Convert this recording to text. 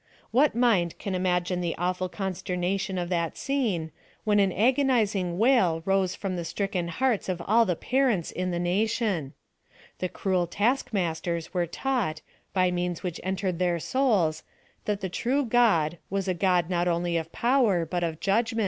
What mind can imagine the awful consternation of that scene, when an agoni zing wail rose from the stricken hearts of all the pa rents in the nation ! The cruel task masters were taught, by means which entered their sou^s, that the true God, was a God not only of power but of judij PLAN OP SALVATION.